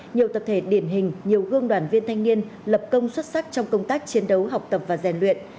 nhiều tập thể điển hình nhiều gương đoàn viên thanh niên lập công xuất sắc trong công tác chiến đấu học tập và rèn luyện